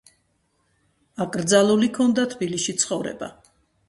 აკრძალული ჰქონდა თბილისში ცხოვრება.